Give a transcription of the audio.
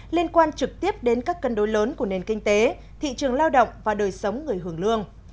liên quan trực tiếp đến các cân đối lớn của nền kinh tế thị trường lao động và đời sống người hưởng lương